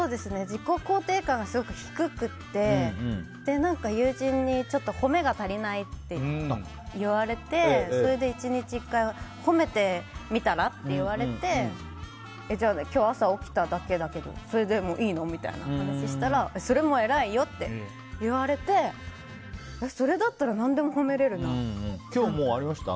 自己肯定感がすごく低くて友人にちょっと褒めが足りないと言われてそれで１日１回褒めてみたら？って言われてじゃあ今日、朝起きただけだけどそれでもいいの？みたいな話をしたらそれも偉いよって言われてそれだったら今日はありました？